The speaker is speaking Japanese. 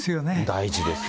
大事ですよ。